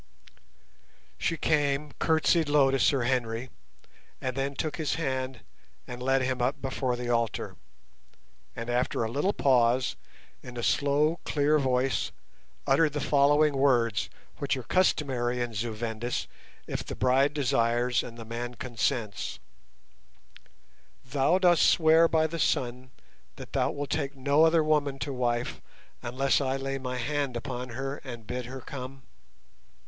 She came, curtseyed low to Sir Henry, and then took his hand and led him up before the altar, and after a little pause, in a slow, clear voice uttered the following words, which are customary in Zu Vendis if the bride desires and the man consents:— "Thou dost swear by the Sun that thou wilt take no other woman to wife unless I lay my hand upon her and bid her come?"